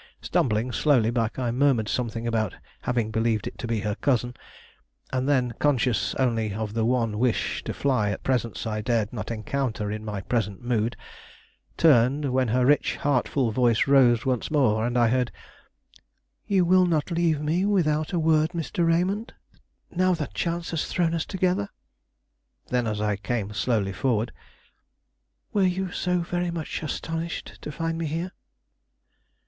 Stumbling slowly back, I murmured something about having believed it to be her cousin; and then, conscious only of the one wish to fly a presence I dared not encounter in my present mood, turned, when her rich, heart full voice rose once more and I heard: "You will not leave me without a word, Mr. Raymond, now that chance has thrown us together?" Then, as I came slowly forward: "Were you so very much astonished to find me here?"